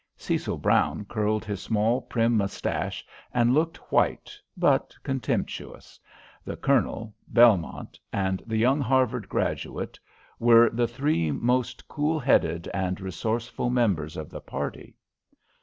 Cecil Brown curled his small, prim moustache, and looked white but contemptuous. The Colonel, Belmont, and the young Harvard graduate were the three most cool headed and resourceful members of the party.